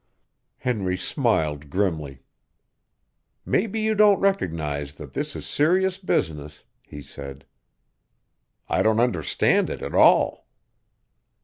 Henry smiled grimly. "Maybe you don't recognize that this is serious business," he said. "I don't understand it at all."